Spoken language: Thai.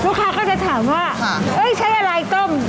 ก็จะถามว่าใช้อะไรต้ม